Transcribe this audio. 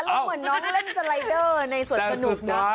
อารมณ์เหมือนน้องเล่นสไลด์เดอร์ในสวดสนุกนะ